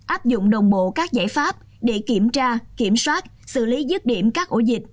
áp dụng đồng bộ các giải pháp để kiểm tra kiểm soát xử lý dứt điểm các ổ dịch